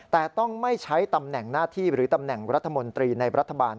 แต่ต้องไม่ใช้ตำแหน่งหน้าที่หรือตำแหน่งรัฐมนตรีในรัฐบาล